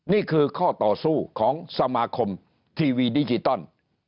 นี่คือข้อต่อสู้ของสมาคมทีวีดิจิตอล